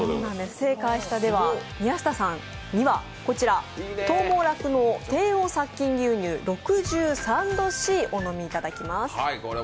正解した宮下さんには、東毛酪農低温殺菌牛乳６３℃をお飲みいただきます。